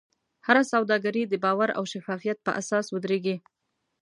هره سوداګري د باور او شفافیت په اساس ودریږي.